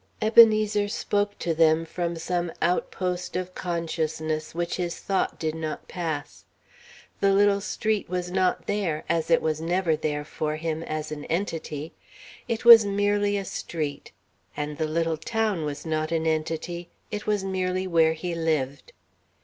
Ebenezer spoke to them from some outpost of consciousness which his thought did not pass. The little street was not there, as it was never there for him, as an entity. It was merely a street. And the little town was not an entity. It was merely where he lived.